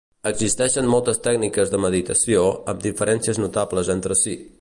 Existeixen moltes tècniques de meditació amb diferències notables entre si.